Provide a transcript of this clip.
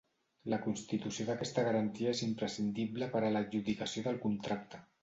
La constitució d'aquesta garantia és imprescindible per a l'adjudicació del contracte.